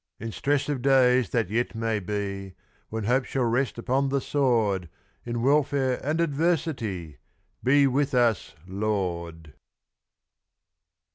In stress of days that yet may be, When hope shall rest upon the sword, In welfare and adversity, Be with us, Lord!